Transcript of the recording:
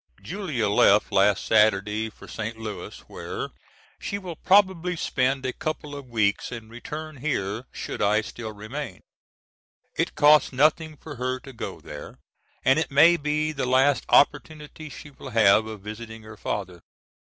Julia left last Saturday for St. Louis where she will probably spend a couple of weeks and return here should I still remain. It costs nothing for her to go there, and it may be the last opportunity she will have of visiting her father.